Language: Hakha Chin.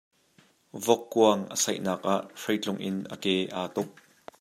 Vok kuang a saihnak ah hreitlung in a ke aa tuk.